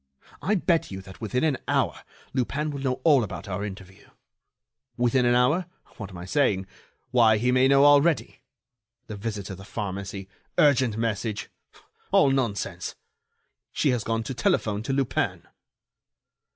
I bet you that within an hour Lupin will know all about our interview. Within an hour? What am I saying?... Why, he may know already. The visit to the pharmacy ... urgent message. All nonsense!... She has gone to telephone to Lupin."